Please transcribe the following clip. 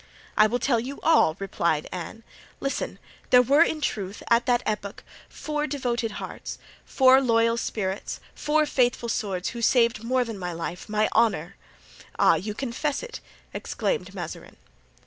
"I will tell you all," replied Anne. "Listen: there were in truth, at that epoch, four devoted hearts, four loyal spirits, four faithful swords, who saved more than my life—my honor——" "Ah! you confess it!" exclaimed Mazarin.